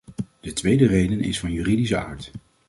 De tweede reden is van juridische aard.